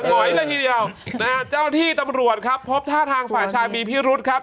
หอยเลยทีเดียวนะฮะเจ้าหน้าที่ตำรวจครับพบท่าทางฝ่ายชายมีพิรุษครับ